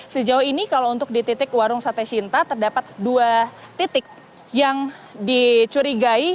sejauh ini kalau untuk di titik warung sate sinta terdapat dua titik yang dicurigai